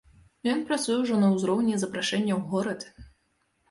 Ён працуе ўжо на ўзроўні запрашэння ў горад.